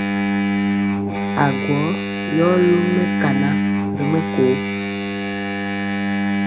Agwɔ yɔ lum mɛkana ri mɛko.